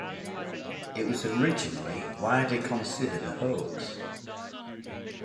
It was originally widely considered a hoax.